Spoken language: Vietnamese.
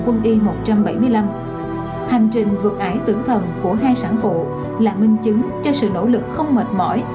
quân y một trăm bảy mươi năm hành trình vượt ải tưởng thần của hai sản phụ là minh chứng cho sự nỗ lực không mệt mỏi